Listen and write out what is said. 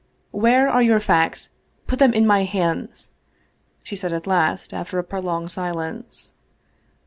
" Where are your facts ? Put them in my hands !" she said at last, after a prolonged silence.